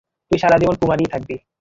তুই সারাজীবন কুমারীই থাকবি।